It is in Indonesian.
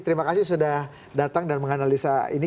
terima kasih sudah datang dan menganalisa ini